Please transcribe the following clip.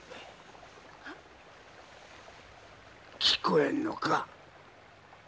聞こえんのか！